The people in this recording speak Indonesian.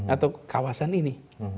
atau kawasan ini